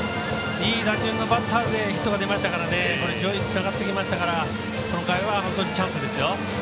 いい打順のバッターでヒットが出てつながってきましたからこの回はチャンスですよ。